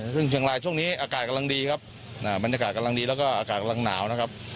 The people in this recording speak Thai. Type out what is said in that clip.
ซึ่งเชียงรายช่วงนี้อากาศกำลังดีครับบรรยากาศกำลังดีแล้วก็อากาศกำลังหนาวนะครับ